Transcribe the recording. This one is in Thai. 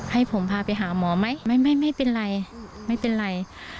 ให้ผมพาไปหาหมอไหมไม่เป็นไรไม่เป็นไร